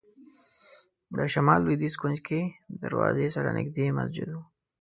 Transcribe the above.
د شمال لوېدیځ کونج کې دروازې سره نږدې مسجد و.